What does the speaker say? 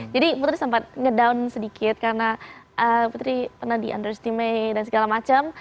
jadi putri sempat ngedown sedikit karena putri pernah di underestimate dan segala macem